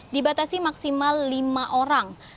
dibatasi maksimal lima orang